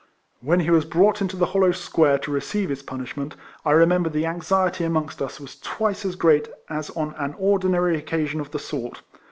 When he was brought into the hollow square to receive his punishment, I remember the anxiety amongst us was twice 118 RECOLLECTIONS OF as great as on an ordinary occasion of the sort.